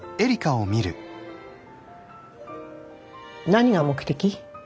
何が目的？